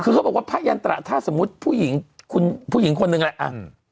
คือเขาบอกว่าพยานตระถ้าสมมุติผู้หญิงคนหนึ่งแหละ